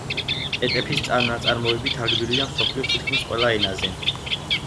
პეტეფის ნაწარმოებები თარგმნილია მსოფლიოს თითქმის ყველა ენაზე.